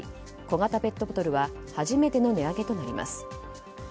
小型ペットボトルは初めての値上げとなります。